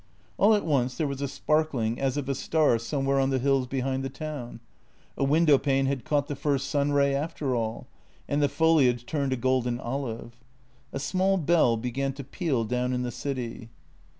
All at once there was a sparkling as of a star somewhere on the hills behind the town — a window pane had caught the first sunray after all — and the foliage turned a golden olive. A small bell began to peal down in the city.